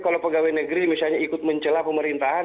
kalau pegawai negeri misalnya ikut mencelah pemerintahan